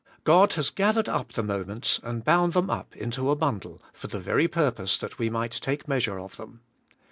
God has gathered up the moments and bound them up into a bundle, for the very purpose that we might take measure of them.